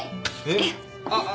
えっ？